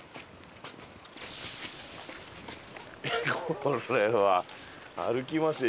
これは歩きますね